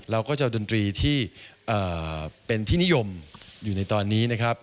เราก็จะเอาดนตรีที่เป็นที่นิยมอยู่ในตอนนี้นะครับ